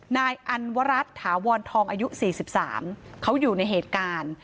นายอันวรัฐถาวรทองอายุ๔๓เขาอยู่ในเหตุการณ์